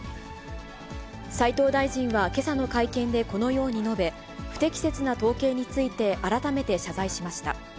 斉藤大臣はけさの会見でこのように述べ、不適切な統計について改めて謝罪しました。